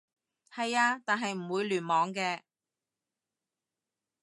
係啊，但係唔會聯網嘅